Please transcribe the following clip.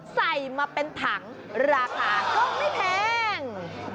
ใส่มาเป็นถังราคาก็ไม่แพง